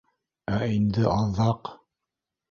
Ә инде аҙаҡ